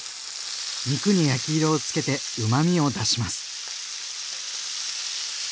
肉に焼き色をつけてうまみを出します。